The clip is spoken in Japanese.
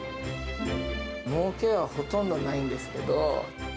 もうけはほとんどないんですけど。